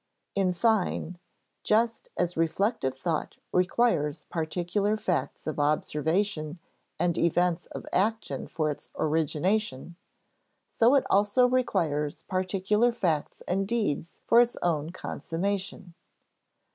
In fine, just as reflective thought requires particular facts of observation and events of action for its origination, so it also requires particular facts and deeds for its own consummation.